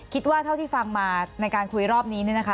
คิดว่าเท่าที่ฟังมาในการคุยรอบนี้